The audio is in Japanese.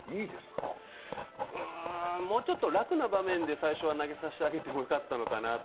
もうちょっと楽な場面で最初は投げさせてあげてもよかったのかなと。